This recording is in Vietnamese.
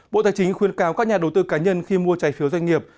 bộ tài chính khuyên cáo các nhà đầu tư cá nhân khi mua trái phiếu doanh nghiệp